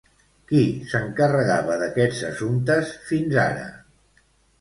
Qui s'encarregava d'aquests assumptes fins ara?